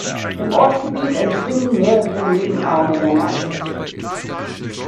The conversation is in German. Im Ortsgebiet entspringen mehrere Nebenarme der Neiße.